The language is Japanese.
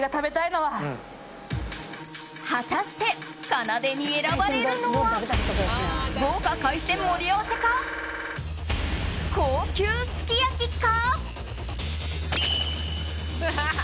果たしてかなでに選ばれるのは豪華海鮮盛り合わせか高級すき焼きか。